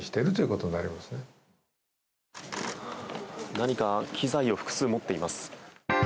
何か機材を複数持っています。